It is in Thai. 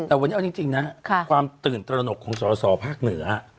แต่วันนี้เอาจริงนะความตื่นตระหนกของสอสอภาคเหนือ